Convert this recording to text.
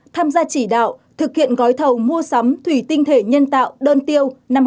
tham gia chỉ đạo thực hiện gói thầu mua sắm thủy tinh thể nhân tạo đơn tiêu năm hai nghìn hai mươi